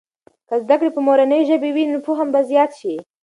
که زده کړې په مورنۍ ژبې وي، نو فهم به زيات سي.